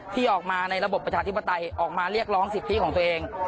ที่ออกมาในระบบประชาธิปไตยออกมาเรียกร้องสิทธิของตัวเอง